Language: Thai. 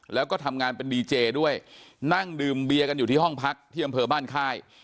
แล้วก็ทำงานเป็นดีเจด้วยนั่งดื่มเบียกันอยู่ที่ห้องพักที่อำเภอบ้านค่าย